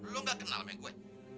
lu gak kenal sama gue